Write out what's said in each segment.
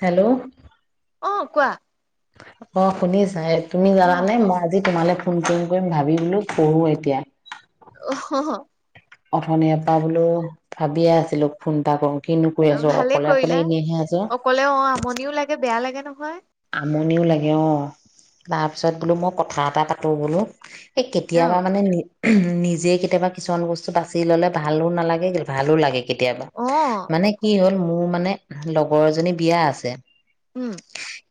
Hello অ' কোৱা। অ' শুনিছা? তুমি অ জানে মই আজি তোমালে ফোন কৰিম-কৰিম ভাবি বোলো কৰোঁ এতিয়া। অ'। অথনিৰ এ পৰা বোলো ভাবিয়ে আছিলো ফোন এটা কৰোঁ। ভালে কৰিলা অকলে অ', আমনিও লাগে বেয়া লাগে ন। [unintelligible] আমনিও লাগে অ', তাৰপিছত বোলো মই কথা এটা পাতো বোলো। এই অ কেতিয়াবা মানে নি নিজে কেতিয়াবা কিছুমান বস্তু বাছি ল'লে ভালো নালাগে, ভালো লাগে। কেতিয়াবা অ মানে কি হ'ল মোৰ মানে লগৰ এজনী বিয়া আছে। উম'।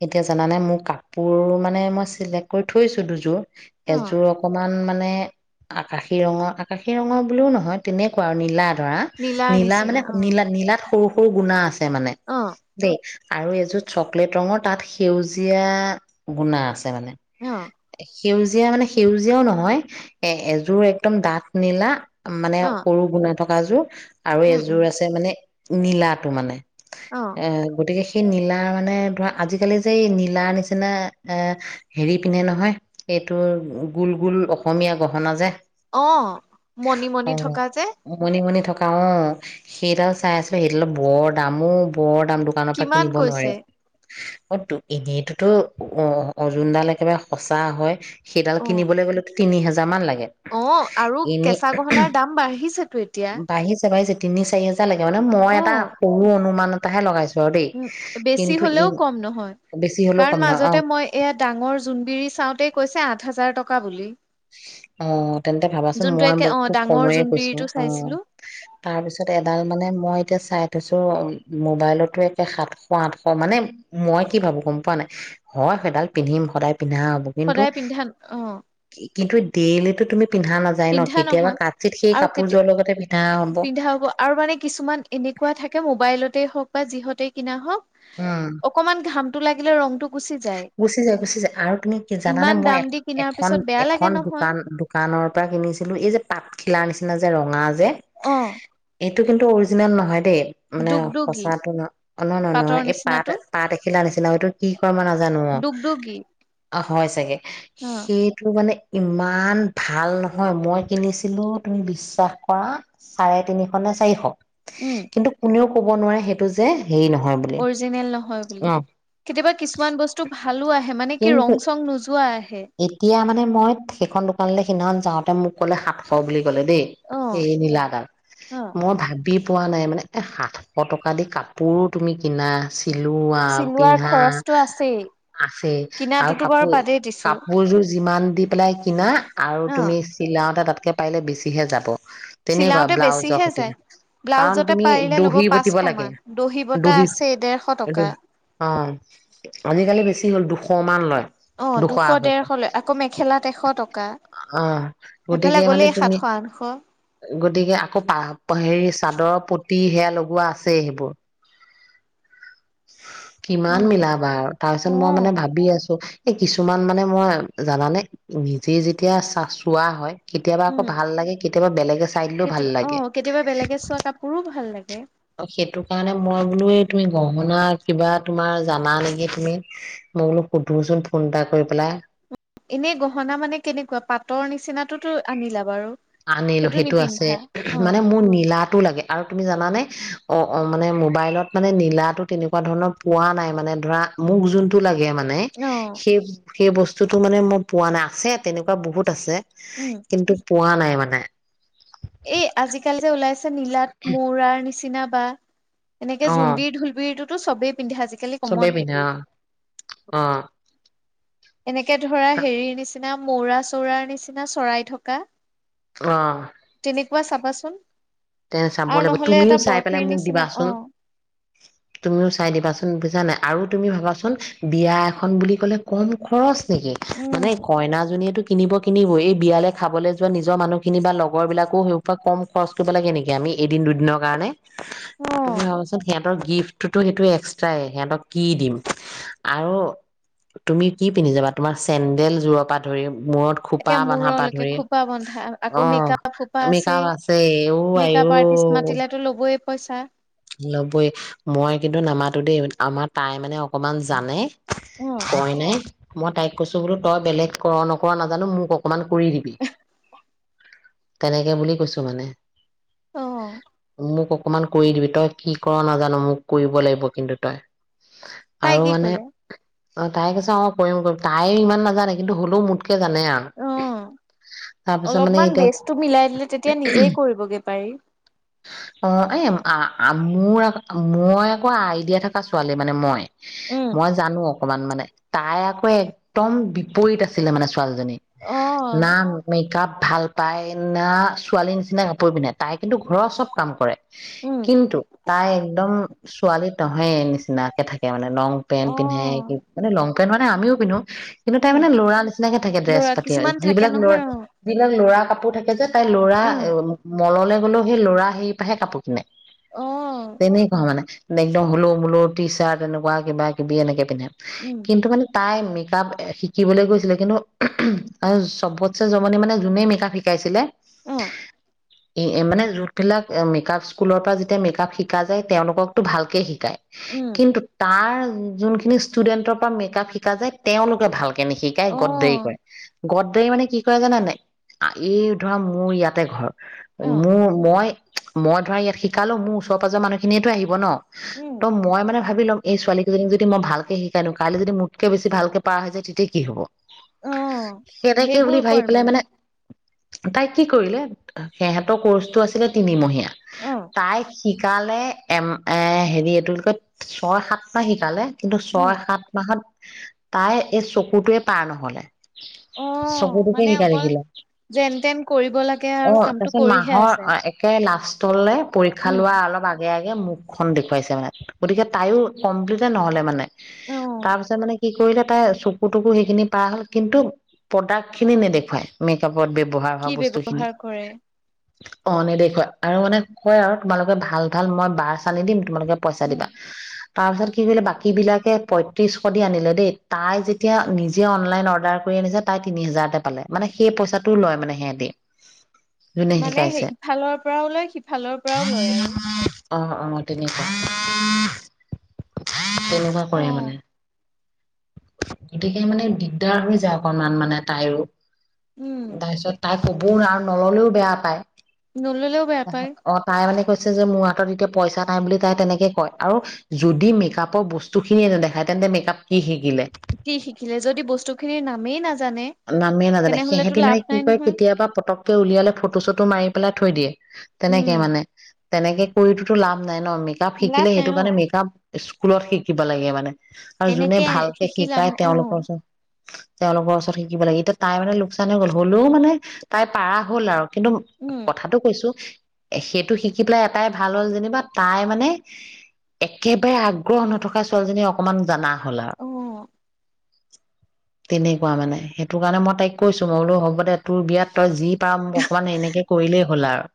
এতিয়া জানানে মোৰ কাপোৰ মানে মই চিলেক্ট কৰি থৈছোঁ দুযোৰ অ এযোৰ অকমান মানে আকাশী ৰঙৰ আকাশী ৰঙৰ বুলিও নহয়, তেনেকুৱা আৰু নীলা ধৰা, নীলাৰ নীলা নিচিনা মানে অ নীলা নীলাত সৰু-সৰু গুণা আছে। মানে অ দে আৰু এযোৰ চকলেট ৰঙৰ তাত সেউজীয়া গুনা আছে মানে অ সেউজীয়া মানে সেউজীয়াও নহয়, এ', এযোৰ একদম দাথ নীলা মানে অ সৰু গুণা থকা। কাজু আৰু উম উম এযোৰ আছে মানে নীলাাটো মানে। অ আহ', গতিকে সেই নীলা মানে ধৰা, আজিকালি যে এই নীলাৰ নিচিনা এ', হেৰি পিন্ধে নহয় এইটো গোল-গোল অসমীয়া গহনা যে অ', মণিমণি থকা যে অহ, সেইডাল চাই আছো সেইডাল বৰ দামো বৰ দাম দোকানৰ পৰা কিমান কিনিব নোৱাৰে, কৈছে অতো এনেইতোতো অ', অজুনডাল একেবাৰে সঁচা হয়, সেইডাল অ কিনিবলৈ গ'লে তিনি হাজাৰ মান লাগে। অ', আৰু এনেই কেঁচা গহনাৰ দাম বাঢ়িছেতো এতিয়া। বাঢ়িছে বাঢ়িছে তিনি চাৰিহাজাৰ তিনি চাৰি লাগে মানে মই অ এটা সৰু অনুমানত তাহে লগাছো জ্বৰ দে কিন্তু ই হয় বেছি হলেও কাৰণ কম নহয় অ মাজতে মই এ জোনবিৰি চাওঁতে কৈছে আঠ হাজাৰ টকা টকা বুলি অ তেন্তে ভাবাচোন যোনটো মই একে ব অ খুব ডাঙৰ কময়ে কৈছো জোনবিৰিটো অ চাইছিলো তাৰ পিছত এডাল মানে মই এতিয়া চাই থৈছো মোবাইলতো একে সাতশ আঠশ মানে মই কি ভাবো গম পোৱা নাই হয় সেইডাল পিন্ধিম সদায় পিন্ধা হব কিন্তু সদায় পিন্ধা অ কিন্তু ডেইলিটো তুমি পিন্ধা নাযায ন পিন্ধা কেতিয়াবা নহয় চিত সেই আৰু কেতিয়া কাপোৰযোৰ লগতে পিন পিন্ধা হব আৰু মানে কিছুমান এনেকুৱা থাকে মোবাইলতেই হওঁক বা যিহঁতেই কিনা উম হওঁক অকমান ঘাম লাগিলে ৰংটো গুচি যায় গুচি যায় গুচি যায় আৰু তুমি কি জানানে ইমান মই দাম এ দি কিনাৰ এখন পিছত বেয়া লাগে এখন নহয় দোকান দোকানৰ পৰা কিনিছিলো এই যে পাটখিলাৰ নিচিনা যে ৰঙা যে এ অ এইটো কিন্তু অৰিজিনেল নহয় দেই মানে দুগদুগী সচাঁটো ন অ ন ন ন পাটৰ এই পাত নিচিনাটো পাত এখিলা নিচিনা এইটো কি কয় মই না ডুগ ডুগি আহ হয় চাগে সেইটো মানে ইমান ভাল নহয় মই কিনিছিলোঁ তুমি বিশ্বাস কৰা চাৰে তিনিশ নে চাৰিশ উম কিন্তু কোনেও ক'ব নোৱাৰে সেইটো যে হেৰি নহয় বুলি অৰিজিনেল নহয় বুলি অ কেতিয়াবা কিছুমান বস্তু টো ভালো আহে মানে কি কিন্তু ৰং চং নোযোৱাই এতিয়া মানে মই সেইখন দোকান সিমান যাওঁতে মোক ক'লে সাতশ বুলি গলে দেই অ সেয়ে নীলাডাল অ মই ভাল পি পোৱা নাই মানে এই সাতশ টকা দি কাপোৰো তুমি কিনা আ চিলোৱা চিলোৱাৰ পিন্ধা খৰচটো আছেই আছে আৰু কিনাটোতো বাৰু কাপোৰ বাদেই দিছো কাপোৰযোৰ যিমান দি পেলাই কিনা আৰু অ তুমি চিলাওতে তাত তকে পাৰিলে বেছিহে যাব তেনেকুৱা চিলাওতে ব্লাউজৰ বেছিহে যায়। সৈতে কাৰণ ব্লাউজতে তুমি পাৰিলে ল'ব দহি পাঁচশ বাতিব লাগে মান, বতা দহি আছেই ডেৰশ টকা। অ আজিকালি বেছি হ'ল দুখ সমান লয় অ দুশ আঢ়ৈশ ডেৰশ লয়, আকৌ মেখেলাত এশ টকা। আহ সেইফালে গতিকে মানে গ'লেই তুমি সাতশ আঠশ। গতিকে আকৌ হেৰি চাদৰৰ পু সেয়া লগোৱা আছেই সেইবোৰ কিমান উম। মিলাবা আৰু তাৰ অ পিছত মই মানে ভাবি আছো এই কিছুমান মানে মই জানানে নিজে যেতিয়া চা চোৱা হয় কেতিয়াবা আকৌ উম ভাল লাগে কেতিয়াবা বেলেগে চাই দিলেও ভাল কেতিয়াবা অ লাগে। কেতিয়াবা বেলেগে চোৱা কাপোৰো ভাল লাগে। সেইটো কাৰণে মই বোলো এই তুমি গহনা কিবা তোমাৰ জানা নেকি তুমি মই বোলো সুধোচোন ফোন এটা কৰি পেলাই। এনেই গহনা মানে কেনেকুৱা পাটৰ নিচিনাটো তো আনিলা বাৰু। আনিলো সেইটো আছে নিপিন্ধা। অ মানে মোৰ নীলাটো লাগে আৰু তুমি জানানে অ অ মানে মোবাইলত মানে নীলাটো তেনেকুৱা ধৰণৰ পোৱা নাই মানে ধৰা মোক যোনটো লাগে মানে মানে অ সেই সেই বস্তুতো মানে মই পোৱা নাই আছে তেনেকুৱা বহুত আছে। উম। কিন্তু পোৱা নাই মানে এ আজিকালি যে ওলাইছে নীলাত মৌ ৰাৰ নিচিনা বা অ এনেকে জোনবিৰি ঢোলবিৰি টো চবেই পিন্ধে আজিকালি কমন চবেই পিন্ধে সেইটো। অ', অ'। এনেকে ধৰা হেৰিৰ নিচ নিচিনা মৌৰা চৌৰাৰ নিচিনা চৰাই থকা অ'। কেনেকুৱা চাবাচোন। তে চাব আৰু লাগিব নহলে তুমিও এটা চাই পেলাই বৰফিৰ মোক নিচিনা অ দিবাচোন, তুমিও চাই দিবাচোন বুজানে। আৰু তুমি ভাবাচোন বিয়া এখন বুলি ক'লে কম খৰচ নেকি মানে উম কইনাজনীয়েতো কিনিব কিনিব, এই বিয়ালে খাবলে যোৱা নিজৰ মানুহখিনি বা লগৰবিলাকো সেইসোপা কম খৰচ কৰিব লাগে নেকি আমি এদিন দুদিনৰ কাৰণে? অ তুমি ভাবাচোন সিম সিহঁতৰ গিফ্টটোতো সেইটো এক্সট্ৰাই সিহঁতক কি দিম আৰু তুমি কি পিন্ধি যাবা তোমাৰ চেন্দেল যোৰৰ পৰা ধৰি মূৰত একে খোপা বন্ধা পা মূৰলৈকে ধৰি খোপা বন্ধা আকৌ অ', মেকআপ খোপা আমি কাম আছেই। মেকআপ আৰ্টিষ্ট মাতিলেটো ল'বই পইচা। ল'বই মই কিন্তু নামাতো দেই আমাৰ তাই মানে অকমান জানে অ কইনাই মই তাইক কৈছো বোলো তই বেলেগ কৰ নকৰ নাজানো মোক অকমান কৰি দিবি, তেনেকে বুলি কৈছো মানে। অ মোক অকমান কৰি দিবি। তই কি কৰ নাজানো মোক কৰিব লাগিব কিন্তু তই। তাই আৰু কি মানে ক'লে? অ', তাই কৈছে অ', কৰিম কৰিম তাই ইমান নাজানে কিন্তু হ'লেও মোত তকে জানে আও অ তাৰপিছত মানে অলপমান এতিয়া বেচটো মিলাই দিলে তেতিয়া নিজেই কৰিবগে পাৰি অ', এই আ আ মোৰ মই আকৌ আইডিয়া থকা ছোৱালী মানে মই। উম মই জানো অকমান মানে। তাই আকৌ একদম বিপৰীত আছিলে মানে। ছোৱালীজনী অ না মেক কাপ ভাল পায় না ছোৱালীৰ নিচিনা কাপোৰ পিন্ধে তাই কিন্তু ঘৰৰ চব কাম কৰে। উম কিন্তু তাই একদম ছোৱালী তহে নিচিনাকে থাকে মানে। লং পেণ্ট অ পিন্ধে কি মানে লং পেন মানে আমিও পিন্ধো কিবা তাই উম মানে ল'ৰা নিচিনাকে থাকে ড্ৰেছ ল'ৰা পাতি আ কিছুমান থাকে যিবিলাক ল'ৰা নহয় অ যিবিলাক ল'ৰা আপো থাকি [unintelligible] তাইৰ ল'ৰা উম মল' লে হলও সেই ল'ৰা হেই পাহে কাপোৰ কিনে। অ তেনেকুৱা মানে। একদম হোলৌ মোলৌ টিচাৰ্ট এনেকুৱা কিবা কিবি এনেকে পিন্ধে। উম কিন্তু মানে তাই মেকআপ এ - শিকিবলৈ গৈছিলে, কিন্তু [unintelligible] চবতছে জমনি মানে যোনেই মেকআপ শিকাইছিলে অ [inaudible] এ - এ - মানে যতবিলাক অ - মেকআপ স্কুলৰ পৰা যেতিয়া মেকআপ শিকা যায়, তেওঁলোককতো ভালকে শিকায়। উম, কিন্তু তাৰ যোন খিনি ষ্টুডেন্টৰ পৰা মেক আপ শিকা যায় তেওঁলোকে ভালকে নিশিকাই, গদ্দাৰি অ', কৰে। গদ্দাৰি মানে কি কৰে জানা নাই, [unintelligible] এই ধৰা মোৰ ইয়াতে ঘৰ অ', মোৰ - মই - মই ধৰা ইয়া শিকালো মোৰ ওচৰ পাজৰ মানুহখিনিয়েতো আহিব ন। উম, ত' মই মানে ভাবি লম এই ছোৱালী কেইজনীক যদি মই ভালকে শিকাই দিওঁ, কাইলৈ যদি মোতকে বেছি ভালকে পাৰা হৈ যায়, তেতিয়া কি হব? অ', সেনেকে বুলি সেইবোৰ ভাবি কৰ পেলাই মানে তাই কি কৰিলে সেহেতৰ কৰ্চটো আছিলে তিনিমহীয়া অ'। তাইক শিকালে এম এ হেৰি এইটো [unintelligible] ছয় সাত শিকালে। কিন্তু উম, ছয় সাত মাহত তাইৰ এই চকুটোৱে পাৰ নহলে। অ', চকুটোকে মানে শিকাই অকল থাকিলে। যেন তেন কৰিব লাগে আৰু অ', কামটো তাৰপিছত কৰিহে মাহৰ আছে। একে লাষ্ট [unintelligible] পৰীক্ষা উম, লোৱা অলপ আগে আগে এ মুখখন দেখুৱাইছে মানে গতিকে তায়ো কমপ্লিটে নহলে মানে। অ', তাৰ পিছত মানে কি কৰিলে তাই চকু তকু সেইখিনি পাৰ হ'ল, কিন্তু প্ৰডাক্ট খিনি নেদেখুৱাই মেকআপ [unintelligible] ব্যৱহাৰ হোৱা কি বস্তুখিনি। ব্যৱহাৰ কৰে অ' নেদেখুৱাই আৰু মানে কয় আৰু তোমালোকে ভাল ভাল মই ব্ৰাছ আনি দিম। তোমালোকে পইচা উম, দিবা। তাৰপিছত কি কৰিলে বাকী বিলাকে পঁইত্ৰিছ শ দি আনিলে দেই। তাই যেতিয়া নিজে অনলাইন অৰ্ডাৰ কৰি আনিছে, তাই তিনি হাজাৰতে পালে। মানে সেই পইচাটোও লয় মানে সেহেটি। মানে সেই ইফালৰ পৰাও লয় সিফালৰ পৰাও লয় আৰু [inaudible] অ' অ' তেনেকুৱা, তেনেকুৱা কৰে মানে। অ', গতিকে মানে দিগদাৰ হৈ যায় অকনমান মানে তাইৰো। উম, [unintelligible] তাক ক'ব‌ও নোৱাৰে আৰু নল'লেও বেয়া পায়। নল'লেও বেয়া পায়। অ তাই মানে কৈছে যে মোৰ হাতত এতিয়া পইচা নাই বুলি তাই তেনেকে কয় আৰু যদি মেকআপৰ বস্তু খিনিয়ে নেদেখায় তেন্তে মেকআপ কি শিকিলে কি শিকিলে যদি বস্তু খিনিৰ নামেই নাজানে নামেই নাজানে তেনেহলেতো সিহঁতি মানে লাভ কি নাই কৰে নহয় কেতিয়াবা পতককে উলিয়ালে ফটো চটো মাৰি পেলাই থৈ দিয়ে। উম, তেনেকে মানে তেনেকে কৰিতোটো লাভ নাই ন' মেকআপ লাভ শিকিলে নাই সেইটো কাৰণে অ', মেকআপ স্কুলত শিকিব লাগে মানে। আৰু যোনে এনেকে ভালকে শিকি লাভ শিকায় নাই তেওঁলোকৰ অ', ওচৰত তেওঁলোকৰ ওচৰত শিকিব লাগে এতিয়া তাই মানে লোকচান হৈ গ'ল হ'লেও মানে তাই পাৰা হ'ল আৰু কিন্তু উম, কথাটো কৈছো সেইটো শিকি পেলাই এটাই ভাল হ'ল যেনিবা তাই মানে একেবাৰে আগ্ৰহ নথকা ছোৱালীজনী অকমান জানা হ'ল আও। অ', তেনেকুৱা মানে সেইটো কাৰণে মই তাইক কৈছো মই বোলো হ'ব দে তোৰ বিয়াত তই যি পাৰ' মোক অকমান এনেকে কৰিলেই হ'ল আৰু।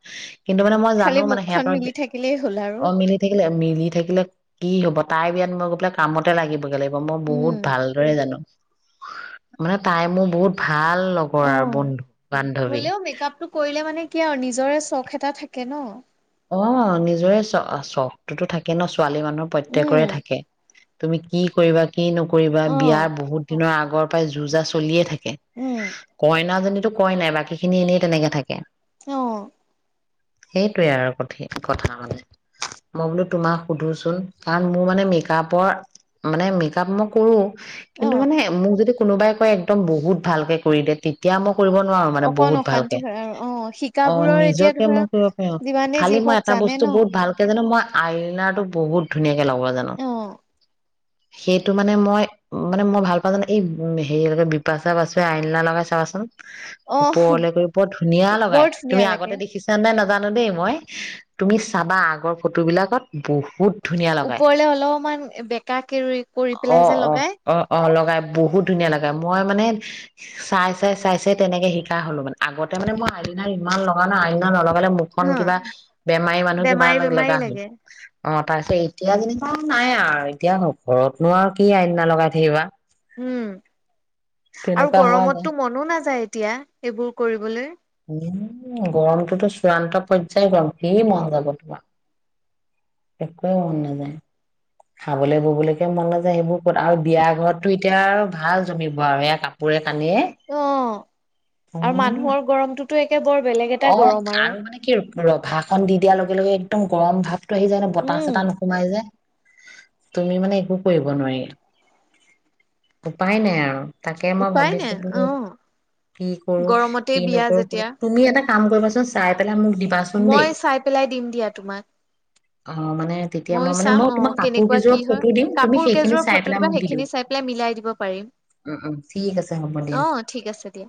কিন্তু মানে মই জানো খালি মানে মুখখন সিহঁতৰ মিলি থাকিলেই হ'ল আৰু অ', মিলি থাকিলে মি থাকিলে কি হ'ব তাই বিয়াত মই গৈ পেলাই কামতে লাগিবগে লাগিব। মই উম, বহুত ভালদৰে জানো। মানে তাই মোৰ বহুত ভা ভাল লগৰ আৰু অ'। বন্ধু-বান্ধৱী। কিয় আৰু নিজৰে চখ এটা থাকে ন'। অ', নিজৰে চ চখটোতো থাকে ন' ছোৱালী মানুহ উম, প্ৰত্যেকৰে থাকে। তুমি কি কৰিবা কি নকৰিবা বিয়াৰ অ', বহুত দিনৰ আগত আগৰ পৰাই জু জা চলিয়ে থাকে। উম, কইনা জনি বাকী খিনি এনেই তেনেকে থাকে। অহ। সেইটোৱে আৰু। কথা মই বোলো তোমাক সুধোচোন কাৰণ মোৰ মানে মেকআপৰ মানে মেকআপ মই কৰোঁ। কিন্তু অ'। মানে মোক যদি কোনোবাই কয় একদম বহুত ভালকৈ কৰি দে তেতিয়া মোক কৰিব নোৱাৰো মানে অকণ বহুত অশান্তি ভালকে হয় আৰু অ', অ শিকাবোৰৰ এতিয়া নিজকে ধৰা মই কৰিব পাৰ। যিমানেই যি খালি মই হওক এটা জানে ন। বস্তু বহুত ভালকে জানো। মই আইনাটো বহুত ধুনীয়াকে। এ‍ নহব জানো। অ', সেইটো মানে মই মানে মই ভাল পালো। কি হেৰি য়ক বিপাচা আইলিনা লগাই চা চোন। অ', ওপৰলে কৰি বৰ ধুনীয়া বৰ লগাই। তুমি ধুনীয়া লাগে। আগতে দেখিছা নে নাজানো। জান দেই মই। তুমি চাবা আগৰ ফটো বিলাকত বহুত। ধুনীয়া লগাই। ওপৰলে অলপমান বেকা কে কৰি পেলাই অ', যে অ', লগাই। অ', অ', লগাই বহুত ধুনীয়া লাগে। মই মানে চাই চাই চাই চাই তেনেকে শিকা হলো মানে আগতে মানে মই আইলনা ইমান লগা ন আইলনা নলগাঁ। লে মুখখন হা কিবা। বেমাৰী মানুহ কিবা বেমাৰী বেমাৰী লগা হল। লাগে। অ তাৰপিছত এতিয়া যেনেকুৱা নাই। আৰু এতিয়া ঘৰতনো আৰু কি আইনিলা লগাই থাকিবা। উম, আৰু তেনেকুৱা হোৱা যায় গৰমততো মনো নাযায় এতিয়া এইবোৰ কৰিবলৈ। উম গৰমটোতো চূড়ান্ত পৰ্যায় গম কি মন যাব তোমাৰ। এককোৱেই উম নেজায়। খাবলৈ ববলৈকে মন ন যোয়। সেইবোৰ ক'ত আৰু বিয়া ঘৰতটো এতিয়া আৰু ভাল জমিব আৰু এয়া কাপোৰে। কানিয়ে অ আৰু উম মানুহৰ গৰমটো। তে বৰ বেলেগ এটা গৰম আৰু। ৰভা খন দি দিয়া লগে লগে একদম গৰম ভাৱ আহি যায় ন বতচ উম, এটা নোসোমাই যে তুমি মানে একো কৰিব নোৱাৰি। উপায় নাই আৰু। তাকে মই উপায় নাই ভাবিছো। বোৰ অ' কি কৰো কি গৰমতেই বিয়া নকৰো যেতিয়া। তুমি এটা। কাম কৰিবাচোন। চাই পেলাই মোক। দিবাচোন মই দেই চাই পেলাই দিম দিয়া তোমাক অ মানে তেতিয়া ময়ো মই মানে চাম মই তোমাৰ অ' কাপোৰ কেনেকুৱা কি কেইযোৰোৱা হয়। ফটো দিম। তুমি কাপোৰ সেইখিনি কেইযোৰৰ চাই ফটো পেলাই দিবা মোক দি দিওঁ। সেইখিনি চাই পেলাই মিলাই দিব পাৰিম। উ উ ঠিক আছে হ'ব দিয়া। অ' ঠিক আছে দিয়া।